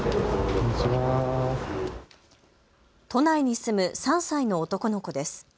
都内に住む３歳の男の子です。